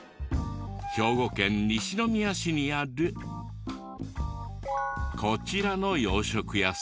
兵庫県西宮市にあるこちらの洋食屋さん。